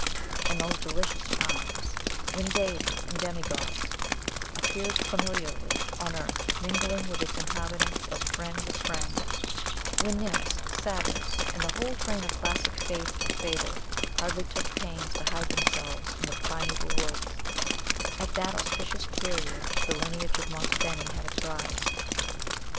In those delicious times, when deities and demigods appeared familiarly on earth, mingling with its inhabitants as friend with friend, when nymphs, satyrs, and the whole train of classic faith or fable hardly took pains to hide themselves in the primeval woods, at that auspicious period the lineage of Monte Beni had its rise.